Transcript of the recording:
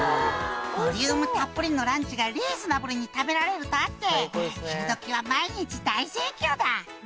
「ボリュームたっぷりのランチがリーズナブルに食べられるとあって昼時は毎日大盛況だ」